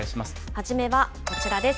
初めはこちらです。